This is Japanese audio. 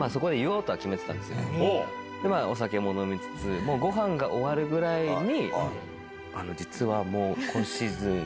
でお酒も飲みつつご飯が終わるぐらいに。